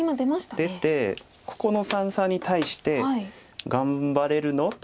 出てここの三々に対して頑張れるの？と。